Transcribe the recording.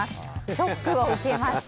ショックを受けました。